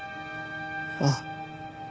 ああ。